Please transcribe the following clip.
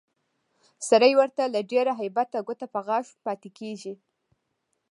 سړی ورته له ډېره هیبته ګوته په غاښ پاتې کېږي